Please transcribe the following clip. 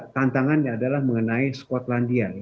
tantangannya adalah mengenai skotlandia